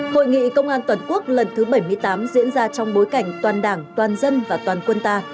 hội nghị công an toàn quốc lần thứ bảy mươi tám diễn ra trong bối cảnh toàn đảng toàn dân và toàn quân ta